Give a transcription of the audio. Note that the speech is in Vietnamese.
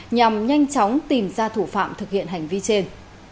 nhằm nhanh chóng tìm ra thủ phạm thực hiện hành vi trên